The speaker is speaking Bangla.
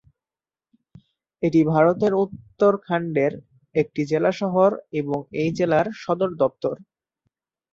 এটি ভারতের উত্তরাখণ্ডের একটি জেলা শহর এবং এই জেলার সদর দপ্তর।